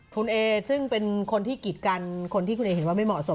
คุณเอซึ่งเป็นคนที่กิดกันคนที่คุณเอเห็นว่าไม่เหมาะสม